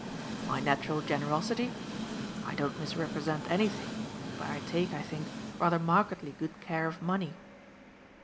"My natural generosity? I don't misrepresent anything, but I take, I think, rather markedly good care of money."